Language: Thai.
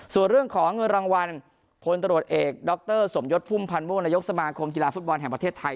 ส่วนเรื่องของเงินรางวัลพลตรวจเอกดรสมยศพุ่มพันธ์ม่วงนายกสมาคมกีฬาฟุตบอลแห่งประเทศไทย